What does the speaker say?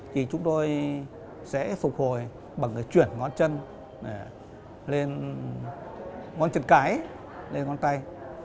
thì chúng tôi sẽ phục hồi bằng cái chuyển ngón chân lên ngón chân cái lên ngón tay